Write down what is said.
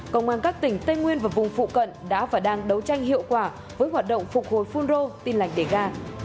công an các tỉnh tây nguyên và vùng phụ cận đã và đang đấu tranh hiệu quả với hoạt động phục hồi phun rô tin lành đề ga